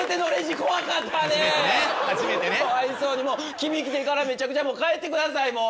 君来てからめちゃくちゃ帰ってくださいもう。